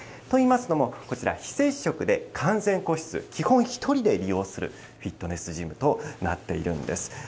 といいますのもこちら、非接触で完全個室、基本１人で利用するフィットネスジムとなっています。